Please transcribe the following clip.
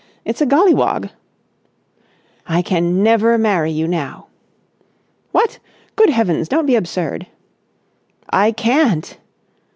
It's a golliwog." "I can never marry you now." "What! Good heavens! Don't be absurd." "I can't!"